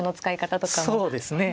そうですね。